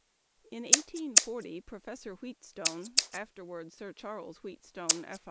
In 1840 Professor Wheatstone (afterward Sir Charles Wheatstone, F.